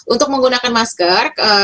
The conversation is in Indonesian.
untuk menggunakan masker